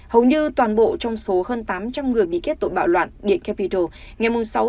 hầu như toàn bộ trong số hơn tám trăm linh người bị kết tội bạo loạn điện capitol